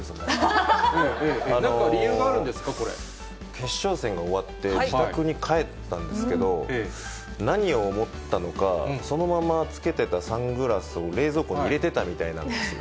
決勝戦終わって、自宅に帰ったんですけど、何を思ったのか、そのままつけてたサングラスを冷蔵庫に入れてたみたいなんですよ。